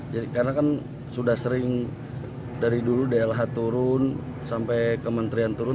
karena kan sudah sering dari dulu dlh turun sampai kementerian turun